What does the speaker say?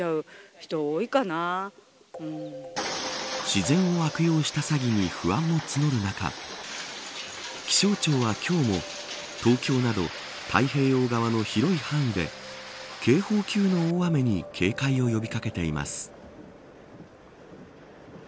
自然を悪用した詐欺に不安が募る中気象庁は今日も東京など太平洋側の広い範囲で警報級の大雨に警戒を呼び掛けています。